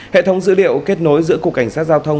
hệ thống dữ liệu kết nối giữa cục cảnh sát giao thông